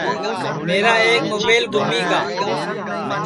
میرا ایک مُبیل گُمی گا